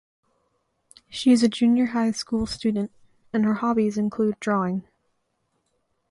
She is junior high school student and her hobbies include drawing.